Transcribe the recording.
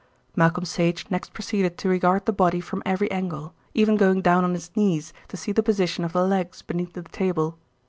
Malcolm Sage next proceeded to regard the body from every angle, even going down on his knees to see the position of the legs beneath the table.